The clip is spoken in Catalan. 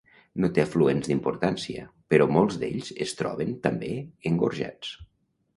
No té afluents d'importància, però molts d'ells es troben, també, engorjats.